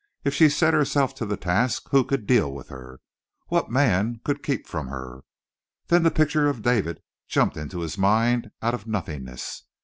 If she set herself to the task who could deal with her? What man could keep from her? Then the picture of David jumped into his mind out of nothingness.